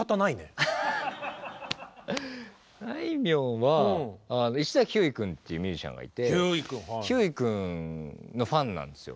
あいみょんは石崎ひゅーい君っていうミュージシャンがいてひゅーい君のファンなんですよ。